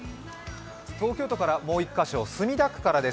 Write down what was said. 東京都からもう１カ所、墨田区からです。